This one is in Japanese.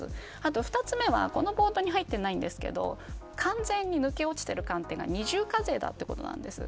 ２つ目はこのボードに入っていませんが完全に抜け落ちている観点が二重課税だということです。